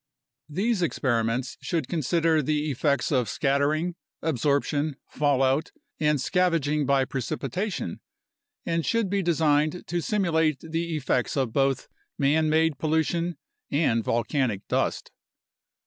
These experiments should consider the effects of scattering, absorption, fallout, and scavenging by precipitation and should be designed to simulate the effects of both man made pollution and volcanic dust.